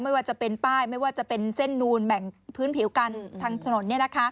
ไม่ว่าจะเป็นป้ายไม่ว่าจะเป็นเส้นนูนแบ่งพื้นผิวกันทางถนน